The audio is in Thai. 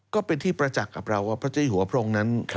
ก็เป็นที่ประจักษ์กับเราว่าพระเจ้าหัวพระองค์นั้น